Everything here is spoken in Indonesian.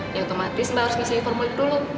ya otomatis mbak harus bisa informir dulu